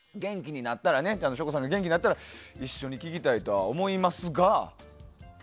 省吾さんが元気になったら一緒に聴きたいとは思いますが。